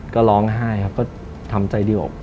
ก็ร้องไห้ครับก็ทำใจดีออก